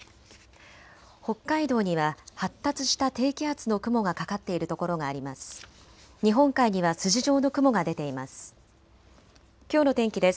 北海道には発達した低気圧の雲がかかっているところがあります。